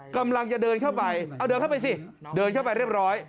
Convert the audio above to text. กำลังจะเดินเข้าไปเอาเดินเข้าไปสิเดินเข้าไปเรียบร้อย